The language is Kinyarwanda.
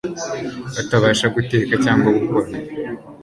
batabasha guteka cyangwa gukora